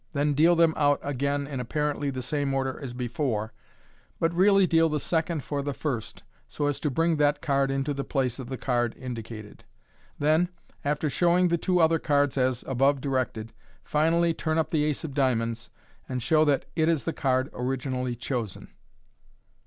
Then deal them out again in apparently the same order as before, but really deal the second for the first, so as to bring that card into the place of the card indi cated. Then, after showing the two other cards as above directed, finally turn up the ace of diamonds, and show that it is the card originally chosen.